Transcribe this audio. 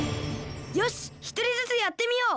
よしひとりずつやってみよう！